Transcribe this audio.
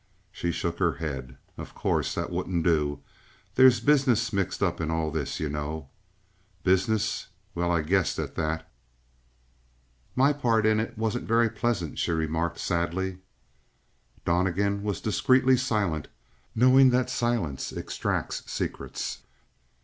She shook her head. "Of course, that wouldn't do. There's business mixed up in all this, you know." "Business? Well, I guessed at that." "My part in it wasn't very pleasant," she remarked sadly. Donnegan was discreetly silent, knowing that silence extracts secrets.